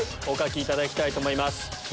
お書きいただきたいと思います。